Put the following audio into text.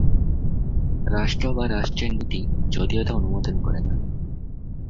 রাষ্ট্র বা রাষ্ট্রের নীতি যদিও তা অনুমোদন করেনা।